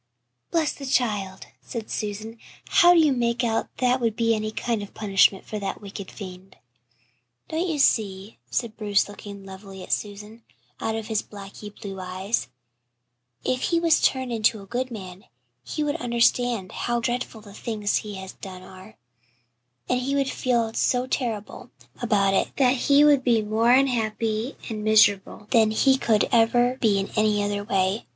"Bless the child," said Susan, "how do you make out that would be any kind of a punishment for that wicked fiend?" "Don't you see," said Bruce, looking levelly at Susan, out of his blackly blue eyes, "if he was turned into a good man he would understand how dreadful the things he has done are, and he would feel so terrible about it that he would be more unhappy and miserable than he could ever be in any other way.